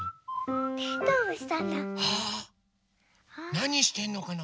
なにしてんのかな？